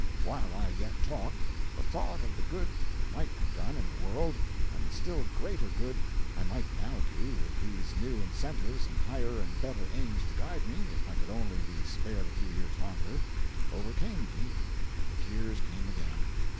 While I yet talked, the thought of the good I might have done in the world and the still greater good I might now do, with these new incentives and higher and better aims to guide me if I could only be spared a few years longer, overcame me and the tears came again.